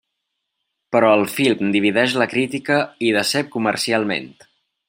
Però el film divideix la crítica, i decep comercialment.